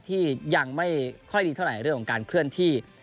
ที่ยังไม่ค่อยดีเท่าไหร่เรื่องของการเคลื่อนที่